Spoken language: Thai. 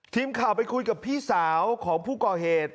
ทีมข่าวไปคุยกับพี่สาวของผู้ก่อเหตุ